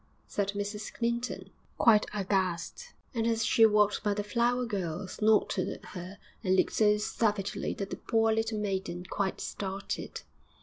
said Mrs Clinton, quite aghast; and as she walked by the flower girl, snorted at her and looked so savagely that the poor little maiden quite started.